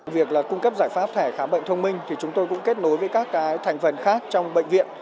việc là cung cấp giải pháp thẻ khám bệnh thông minh thì chúng tôi cũng kết nối với các thành phần khác trong bệnh viện